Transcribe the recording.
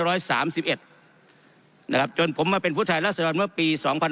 ร้อยสามสิบเอ็ดนะครับจนผมมาเป็นผู้ถ่ายรัฐสดรมปีสองพัน